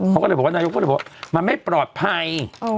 เขาก็เลยบอกว่านายกก็เลยบอกว่ามันไม่ปลอดภัย